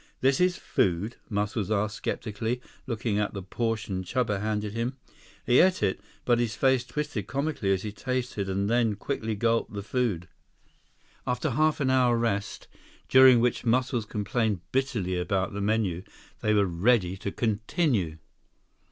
"This is food?" Muscles asked skeptically, looking at the portion Chuba handed him. He ate it, but his face twisted comically as he tasted and then quickly gulped the food. 131 After a half hour rest, during which Muscles complained bitterly about the menu, they were ready to continue.